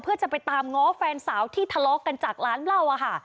เพื่อจะไปตามหมอวิธีแฟนสาวที่ทะเลากันจากร้านเรา